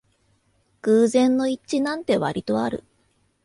偶然の一致なんてわりとある